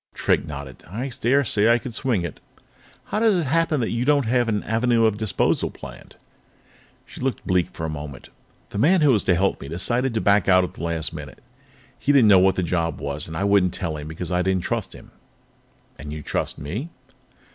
Drake nodded. "I dare say I could swing it. How does it happen that you don't have an avenue of disposal planned?" She looked bleak for a moment. "The man who was to help me decided to back out at the last minute. He didn't know what the job was, and I wouldn't tell him because I didn't trust him." "And you trust me?"